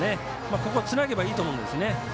ここはつなげばいいと思いますね。